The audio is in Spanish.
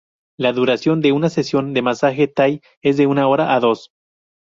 La duración de una sesión de masaje thai es de una hora a dos.